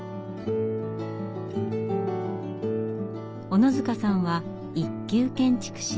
小野塚さんは一級建築士。